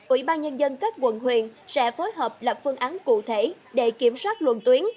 ủy ban nhân dân các quận huyện sẽ phối hợp lập phương án cụ thể để kiểm soát luận tuyến